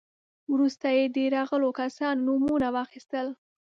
وروسته يې د راغلو کسانو نومونه واخيستل.